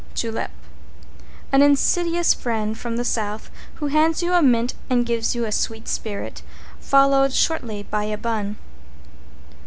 =JULEP= An insidious friend from the South, who hands you a mint and gives you a sweet spirit, followed shortly by a Bun.